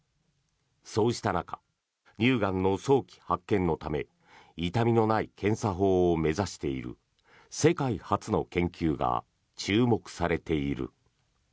そうした中乳がんの早期発見のため痛みのない検査法を目指している世界初の研究が注目されている。